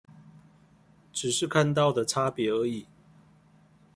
只是看到的差別而已？